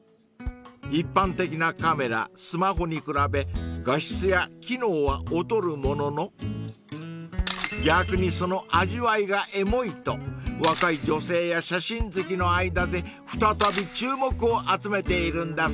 ［一般的なカメラスマホに比べ画質や機能は劣るものの逆にその味わいがエモいと若い女性や写真好きの間で再び注目を集めているんだそうです］